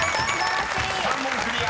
３問クリア！